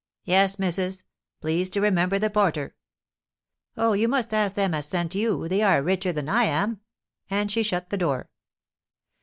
"Yes, missus. Please to remember the porter!" "Oh, you must ask them as sent you; they are richer than I am." And she shut the door.